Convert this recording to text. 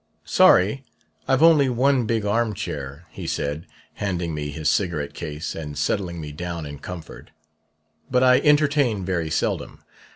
"'Sorry I've only one big arm chair,' he said, handing me his cigarette case and settling me down in comfort; 'but I entertain very seldom.